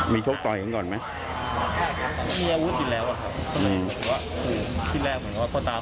มีโชคปอยกันก่อนไหมทีนี้อาวุธดินแล้วอ่ะครับอืม